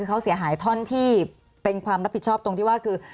เขาเสียหายท่อนที่เป็นความรับผิดชอบตรงที่ว่าคือ